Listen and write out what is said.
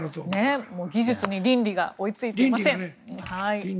技術に倫理が追いついていません。